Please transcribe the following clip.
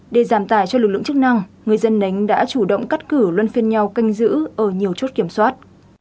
để giảm tài cho lực lượng chức năng người dân nén đã chủ động cắt cử luân phiên nhau canh giữ ở nhiều chốt kiểm soát